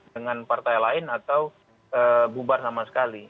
dengan partai lain atau bubar sama sekali